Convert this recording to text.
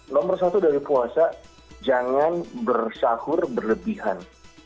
nomor satu dari puasa jangan bersahur berlebihan